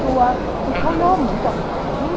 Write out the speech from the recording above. แล้ววันนี้กินคัทล่อมถึงตัว